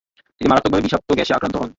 তিনি মারাত্মকভাবে বিষাক্ত গ্যাসে আক্রান্ত হন।